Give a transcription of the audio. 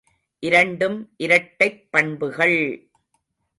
இரண்டும் இரட்டைப் பண்புகள்!